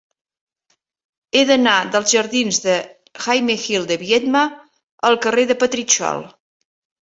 He d'anar dels jardins de Jaime Gil de Biedma al carrer de Petritxol.